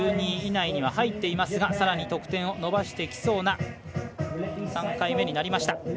１２位以内には入っていますがさらに得点を伸ばしてきそうな３回目になりました。